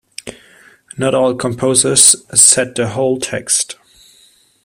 Not all composers set the whole text.